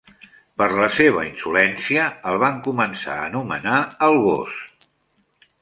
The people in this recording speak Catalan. Per la seva insolència el van començar a anomenar "el gos".